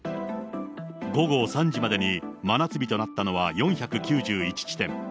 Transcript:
午後３時までに真夏日となったのは４９１地点。